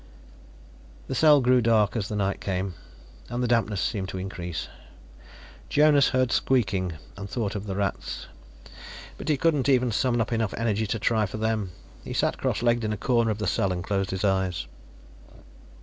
The cell grew dark as night came, and the dampness seemed to increase. Jonas heard squeaking and thought of the rats, but he couldn't even summon up enough energy to try for them. He sat crosslegged in a corner of the cell and closed his eyes.